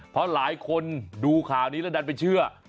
เพราะหลายคนดูข่าวนี้แล้วดันไปเชื่อ